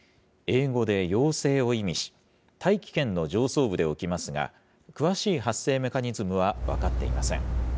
英語で妖精を意味し、大気圏の上層部で起きますが、詳しい発生メカニズムは分かっていません。